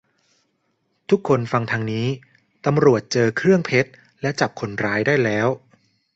ทุกคนฟังทางนี้ ตำรวจเจอเครื่องเพชรและจับคนร้ายได้แล้ว